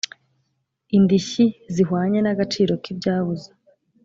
indishyi zihwanye n agaciro kibyabuze